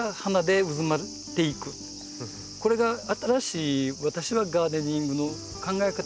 これが新しい私はガーデニングの考え方だと。